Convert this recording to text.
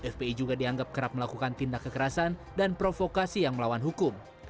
fpi juga dianggap kerap melakukan tindak kekerasan dan provokasi yang melawan hukum